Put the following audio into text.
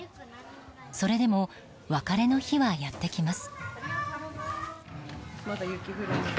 それでも別れの日はやってきます。